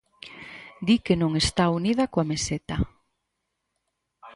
Di que non está unida coa Meseta.